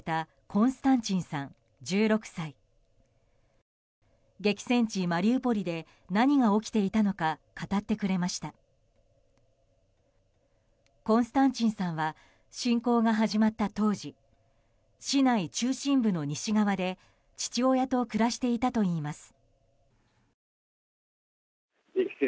コンスタンチンさんは侵攻が始まった当時市内中心部の西側で父親と暮らしていたといいます。